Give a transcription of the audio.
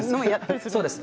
そうです。